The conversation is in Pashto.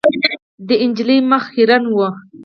د نجلۍ مخ خیرن و .